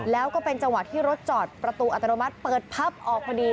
แล้วก็เป็นจังหวะที่รถจอดประตูอัตโนมัติเปิดพับออกพอดี